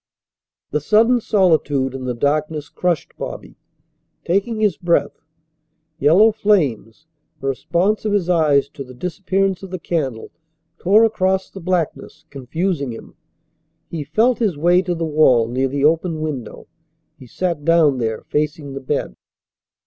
The sudden solitude and the darkness crushed Bobby, taking his breath. Yellow flames, the response of his eyes to the disappearance of the candle, tore across the blackness, confusing him. He felt his way to the wall near the open window. He sat down there, facing the bed.